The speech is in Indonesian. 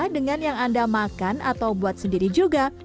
dengan yang anda makan atau buat sendiri juga